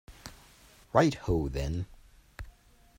Right ho, then.